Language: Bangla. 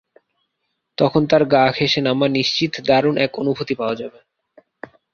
তখন তার গা ঘেঁষে নামা নিশ্চিত দারুণ এক অনুভূতি পাওয়া যাবে।